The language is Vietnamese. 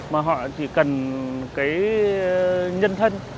mà họ chỉ cần cái nhân thân